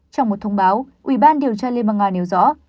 trong một thông báo ubnd điều tra liên bang nga nêu rõ